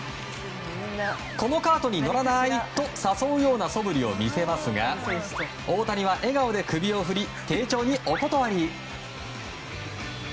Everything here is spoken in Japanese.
このカートに乗らない？と誘うようなそぶりを見せますが大谷は笑顔で首を振り丁重にお断り。